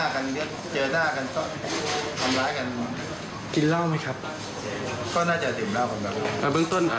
ก็เจอยันหน้ากันก็ทำร้ายกัน